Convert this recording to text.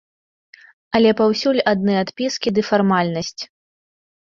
Але паўсюль адны адпіскі ды фармальнасць.